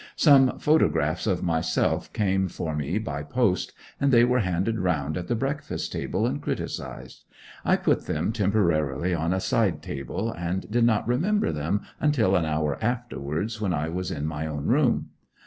Some photographs of myself came for me by post, and they were handed round at the breakfast table and criticised. I put them temporarily on a side table, and did not remember them until an hour afterwards when I was in my own room.